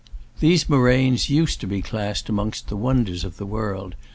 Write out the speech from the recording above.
These moraines f used to be classed amongst the wonders of the world.